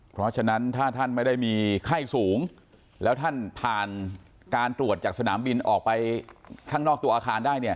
เพราะฉะนั้นถ้าท่านไม่ได้มีไข้สูงแล้วท่านผ่านการตรวจจากสนามบินออกไปข้างนอกตัวอาคารได้เนี่ย